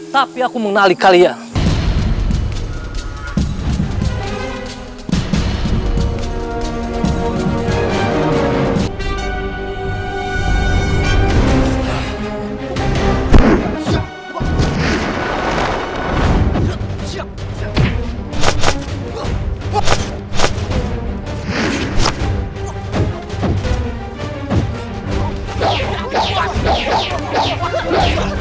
tapi aku mengenali kalian